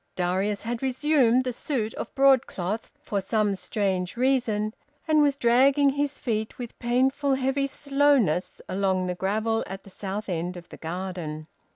Darius had resumed the suit of broadcloth, for some strange reason, and was dragging his feet with painful, heavy slowness along the gravel at the south end of the garden.